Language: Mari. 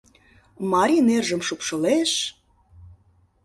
Мари нержым шупшылеш...